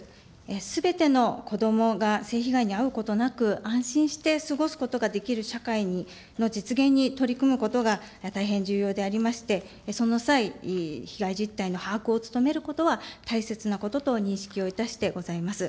すべての子どもが性被害に遭うことなく、安心して過ごすことができる社会に、の実現に向けて取り組むということが大変重要でありまして、その際、被害実態の把握をつとめることは大切なことと認識をいたしてございます。